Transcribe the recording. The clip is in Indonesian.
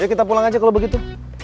ya kita pulang aja kalo begitu